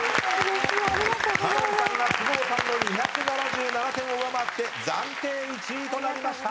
香音さんが菅生さんの２７７点を上回って暫定１位となりました。